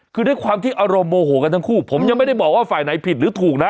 คือด้วยความที่อารมณ์โมโหกันทั้งคู่ผมยังไม่ได้บอกว่าฝ่ายไหนผิดหรือถูกนะ